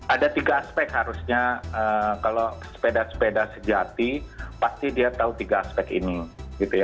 ada tiga aspek harusnya kalau sepeda sepeda sejati pasti dia tahu tiga aspek ini gitu ya